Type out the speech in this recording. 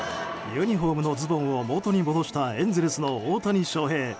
ユニホームのズボンをもとに戻したエンゼルスの大谷翔平。